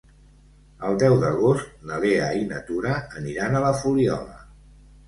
El deu d'agost na Lea i na Tura aniran a la Fuliola.